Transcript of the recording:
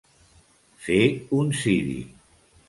Fer un ciri.